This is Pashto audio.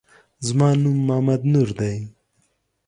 زما نوم محمد نور دی